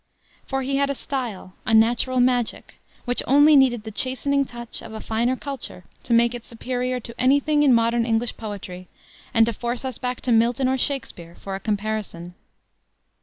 For he had a style a "natural magic" which only needed the chastening touch of a finer culture to make it superior to any thing in modern English poetry and to force us back to Milton or Shakspere for a comparison.